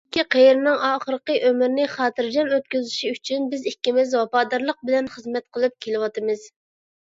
ئىككى قېرىنىڭ ئاخىرقى ئۆمرىنى خاتىرجەم ئۆتكۈزۈشى ئۈچۈن بىز ئىككىمىز ۋاپادارلىق بىلەن خىزمەت قىلىپ كېلىۋاتىمىز.